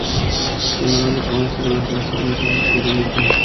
La novela comienza con la frase, "En el principio era el mito.